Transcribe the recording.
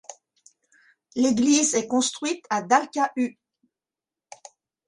L'église est construite à Dalcahue.